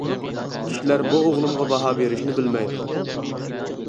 كىشىلەر بۇ ئوغلۇمغا باھا بېرىشنى بىلمەيدۇ.